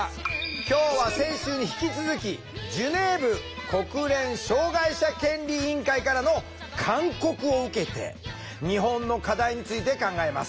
今日は先週に引き続きジュネーブ国連障害者権利委員会からの勧告を受けて日本の課題について考えます。